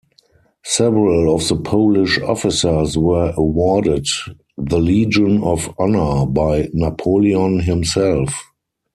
Several of the Polish officers were awarded the Legion of Honour by Napoleon himself.